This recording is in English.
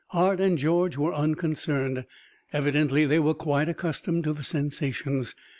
Hart and George were unconcerned. Evidently they were quite accustomed to the sensations.